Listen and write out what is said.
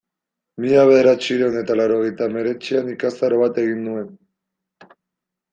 Mila bederatziehun eta laurogeita hemeretzian ikastaro bat egin nuen.